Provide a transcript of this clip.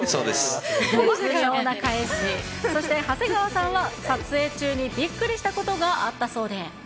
そして、長谷川さんは、撮影中にびっくりしたことがあったそうで。